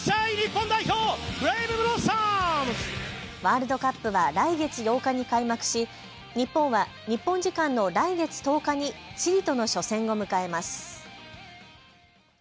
ワールドカップは来月８日に開幕し日本は日本時間の来月１０日にチリとの初戦を迎えます。